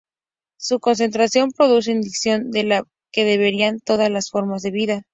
Su concentración produce ignición de la que derivan todas las formas de vida.